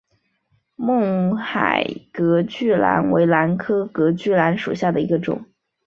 勐海隔距兰为兰科隔距兰属下的一个种。